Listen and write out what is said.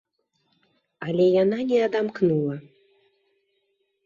Але яна не адамкнула.